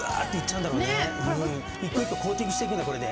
うん一個一個コーティングしていくんだこれで。